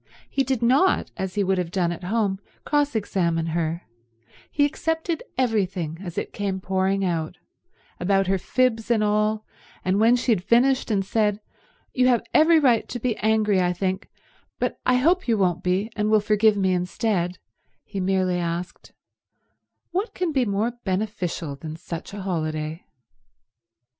He did not, as he would have done at home, cross examine her; he accepted everything as it came pouring out, about her fibs and all, and when she had finished and said, "You have every right to be angry, I think, but I hope you won't be and will forgive me instead," he merely asked, "What can be more beneficial than such a holiday?"